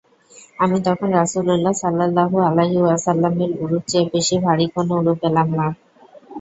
আমি তখন রাসূলুল্লাহ সাল্লাল্লাহু আলাইহি ওয়াসাল্লামের উরুর চেয়ে বেশী ভারী কোন উরু পেলাম না।